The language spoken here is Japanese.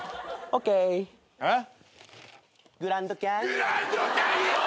グランドキャニオン。